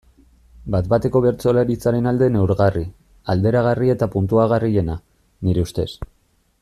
Bat-bateko bertsolaritzaren alde neurgarri, alderagarri eta puntuagarriena, nire ustez.